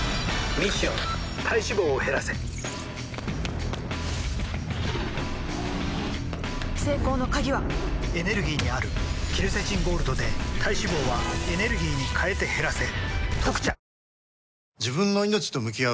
ミッション体脂肪を減らせ成功の鍵はエネルギーにあるケルセチンゴールドで体脂肪はエネルギーに変えて減らせ「特茶」